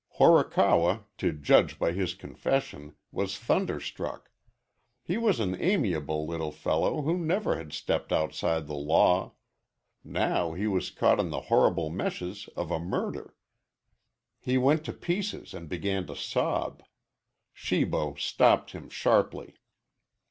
Horikawa, to judge by his confession, was thunderstruck. He was an amiable little fellow who never had stepped outside the law. Now he was caught in the horrible meshes of a murder. He went to pieces and began to sob. Shibo stopped him sharply.